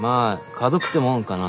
家族ってもんかな。